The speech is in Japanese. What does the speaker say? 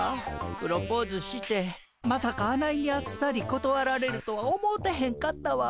プロポーズしてまさかあないにあっさりことわられるとは思うてへんかったわ。